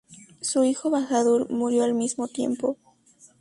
Su hijo Bahadur murió al mismo tiempo.